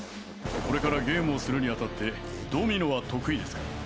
これからゲームをするに当たってドミノは得意ですか？